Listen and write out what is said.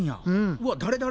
うわっ誰誰？